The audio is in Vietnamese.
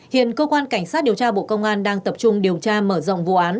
hiện cơ quan cảnh sát điều tra bộ công an đang tập trung điều tra mở rộng vụ án